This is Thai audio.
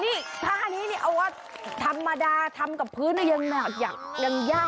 นี่ผ้านี้นี่เอาว่าธรรมดาทำกับพื้นยังยาก